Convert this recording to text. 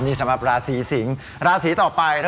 นี่สำหรับราศกรียศิงธ์